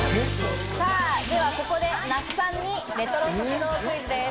ではここで那須さんにレトロ食堂クイズです。